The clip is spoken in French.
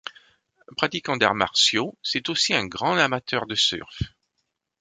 Pratiquant d’arts martiaux, c’est aussi un grand amateur de surf.